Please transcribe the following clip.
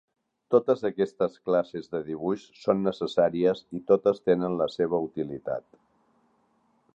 Totes aquestes classes de dibuix són necessàries i totes tenen la seva utilitat.